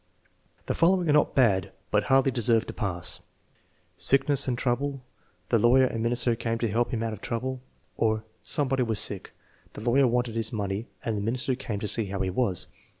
The following are not bad, but hardly deserve to pass: "Sick ness and trouble; the lawyer and minister came to help him out of trouble." Or, "Somebody was sick; the lawyer wanted his money and the minister came to see how he was."